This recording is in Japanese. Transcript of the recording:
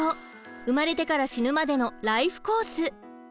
生まれてから死ぬまでのライフコース。